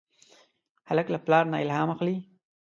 هلک له پلار نه الهام اخلي.